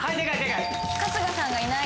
春日さんがいない。